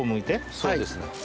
そうですね。